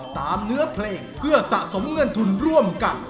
เนื้อเพลงเพื่อสะสมเงินทุนร่วมกัน